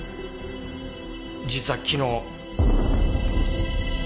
実は昨日。